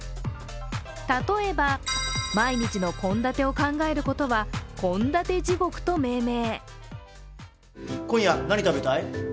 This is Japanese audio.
例えば、毎日の献立を考えることは献立地獄と命名。